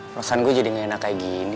perasaan gue jadi gak enak kayak gini